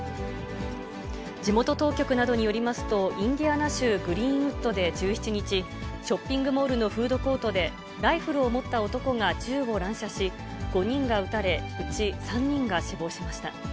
地元当局などによりますと、インディアナ州グリーンウッドで１７日、ショッピングモールのフードコートで、ライフルを持った男が銃を乱射し、５人が撃たれ、うち３人が死亡しました。